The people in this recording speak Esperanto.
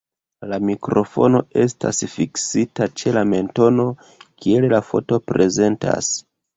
La mikrofono estas fiksita ĉe la mentono, kiel la foto prezentas.